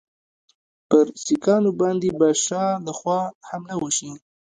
پر سیکهانو باندي به شا له خوا حمله وشي.